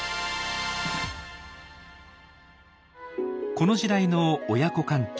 この時代の親子関係